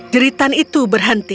jeritan itu berhenti